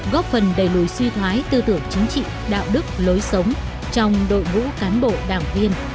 góp phần đẩy lùi suy thoái tư tưởng chính trị đạo đức lối sống trong đội ngũ cán bộ đảng viên